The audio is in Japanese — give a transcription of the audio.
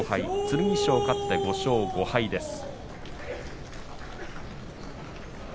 剣翔、勝って５勝５敗です。